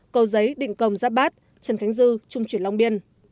cầu giấy định công giáp bát trần khánh dư trung chuyển long biên